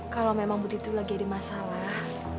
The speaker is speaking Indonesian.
kalau memang bu diti lagi ada masalah